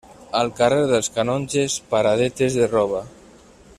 Al carrer dels Canonges paradetes de roba.